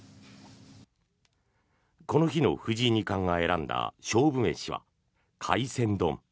この日の藤井二冠が選んだ勝負飯は海鮮丼。